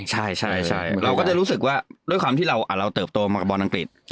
ใช่เราก็จะรู้สึกว่าด้วยความที่เราเติบโตมากับบอลอังกฤษ